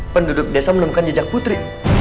penduduk desa menemukan jejak putri